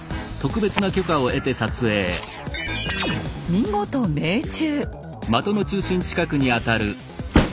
見事命中！